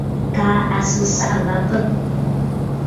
Kaa à sɨ ɨsaʼà gha bə̂.